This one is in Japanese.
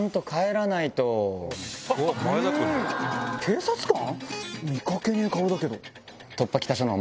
警察官？